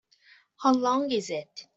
How long is it?